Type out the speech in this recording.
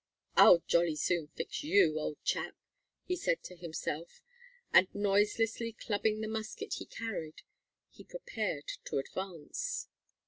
"I'll jolly soon fix you, old chap," he said to himself; and noiselessly clubbing the musket he carried, he prepared to advance.